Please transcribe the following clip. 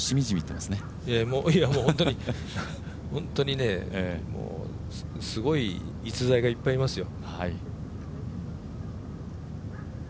いやもう本当に、すごい逸材がいっぱいいますよ。